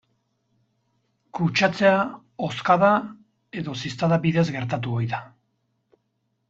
Kutsatzea hozkada edo ziztada bidez gertatu ohi da.